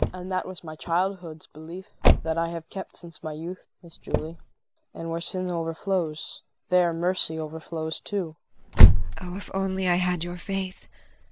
And that was my childhood's belief that I have kept since my youth, Miss Julie. And where sin overflows, there mercy overflows also. JULIE. Oh, if I only had your faith.